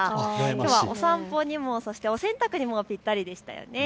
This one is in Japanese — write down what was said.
きょうはお散歩にも、そしてお洗濯にもぴったりでしたよね。